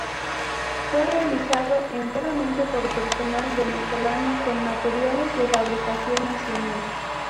Fue realizado enteramente por personal venezolano, con materiales de fabricación nacional.